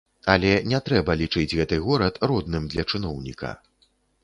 Але не трэба лічыць гэты горад родным для чыноўніка.